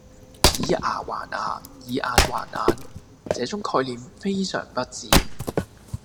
以牙還牙，以眼還眼，這種概念非常不智